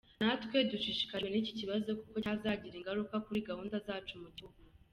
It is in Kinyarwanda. Natwe dushishikajwe n’iki kibazo kuko cyazagira ingaruka kuri gahunda zacu mu gihugu.